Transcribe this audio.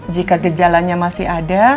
jika gejalanya masih ada